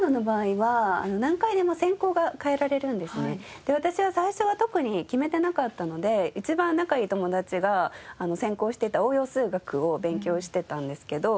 で私は最初は特に決めていなかったので一番仲のいい友達が専攻していた応用数学を勉強していたんですけど。